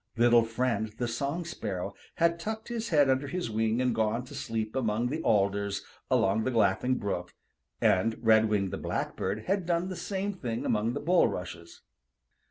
Little Friend the Song Sparrow had tucked his head under his wing and gone to sleep among the alders along the Laughing Brook and Redwing the Blackbird had done the same thing among the bulrushes.